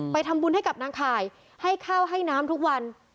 ทำบุญให้กับนางข่ายให้ข้าวให้น้ำทุกวัน